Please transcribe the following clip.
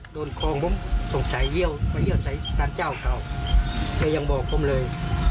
ดูของผมสงสัยเยียวไปเยียวใยสารจ้าวข้าวจะยังบอกผมเลย